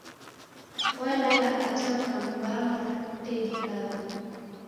Walala ata kammbanga ndedikagha